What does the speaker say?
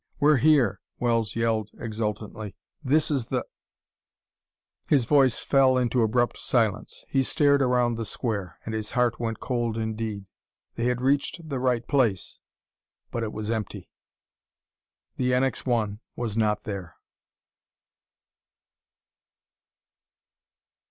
"We're here!" Wells yelled exultantly. "This is the " His voice fell into abrupt silence. He stared around the square, and his heart went cold indeed. They had reached the right place, but it was empty. The NX 1 was not there!